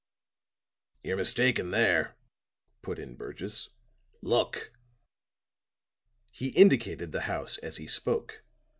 "You're mistaken there," put in Burgess. "Look!" He indicated the house as he spoke.